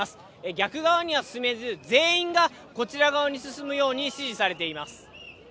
逆側には進めず、全員がこちら側に進むように指示されています。